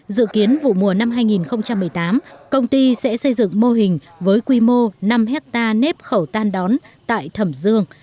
dự kiến vụ mùa năm hai nghìn một mươi tám công ty sẽ xây dựng mô hình với quy mô năm hectare nếp khẩu tan đón tại thẩm dương